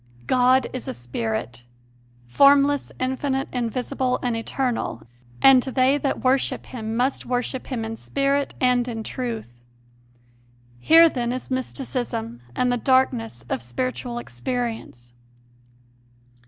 "God is a spirit," formless, CONFESSIONS OF A CONVERT 153 infinite, invisible, and eternal, and "they that wor ship Him must worship Him in spirit and in truth." Here, then, is mysticism and the darkness of spirit ual experience.